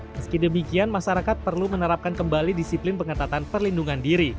meski demikian masyarakat perlu menerapkan kembali disiplin pengetatan perlindungan diri